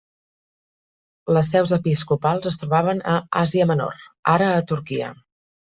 Les seus episcopals es trobaven a Àsia Menor, ara a Turquia.